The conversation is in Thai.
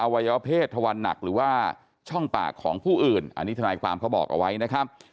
วัยวะเพศทวันหนักหรือว่าช่องปากของผู้อื่นอันนี้ทนายความเขาบอกเอาไว้นะครับ